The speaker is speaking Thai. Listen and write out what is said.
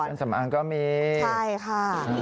เครื่องสำอางก็มีใช่ค่ะ